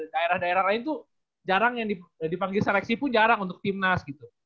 daerah daerah lain tuh jarang yang dipanggil seleksi pun jarang untuk timnas gitu